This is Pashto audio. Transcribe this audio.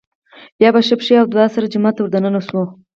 بيا په ښۍ پښې او دعا سره جومات ته ور دننه شو